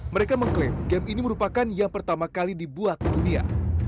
mereka mengklaim game ini merupakan yang pertama kali dibuat di dunia